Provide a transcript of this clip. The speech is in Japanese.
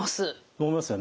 思いますよね。